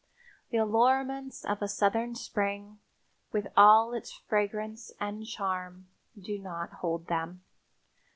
The allurements of a Southern spring, with all its fragrance and charm, do not hold them.